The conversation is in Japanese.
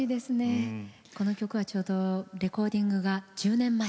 この曲はレコーディングは１０年前。